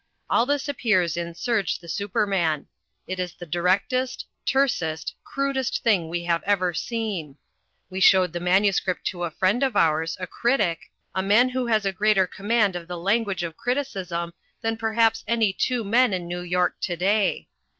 All this appears in Serge the Superman. It is the directest, tersest, crudest thing we have ever seen. We showed the manuscript to a friend of ours, a critic, a man who has a greater Command of the language of criticism than perhaps any two men in New York to day.